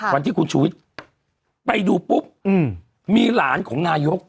วันที่คุณชูวิทย์ไปดูปุ๊บมีหลานของนายก